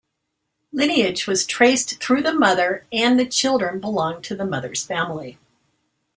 Lineage was traced through the mother, and the children belonged to the mother's family.